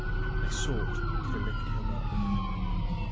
They sought to lift him up.